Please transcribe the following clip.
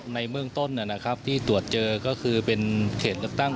ในเบื้องต้นนะครับที่ตรวจเจอก็คือเป็นเขตเลือกตั้ง